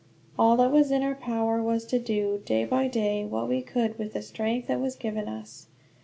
All that was in our power was to do, day by day, what we could with the strength that was given us.